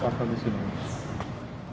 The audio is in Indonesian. kominfo ada bantuan